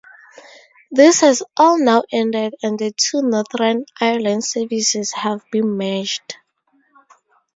This has all now ended and the two Northern Ireland services have been merged.